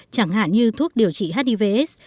chẳng hạn như thuốc điều trị hiv aids